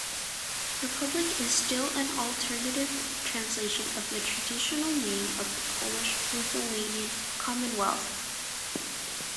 "Republic" is still an alternative translation of the traditional name of the Polish-Lithuanian Commonwealth.